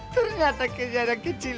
ternyata kejaran kecil